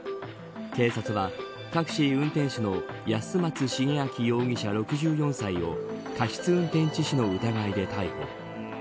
警察は、タクシー運転手の安松滋明容疑者、６４歳を過失運転致死の疑いで逮捕。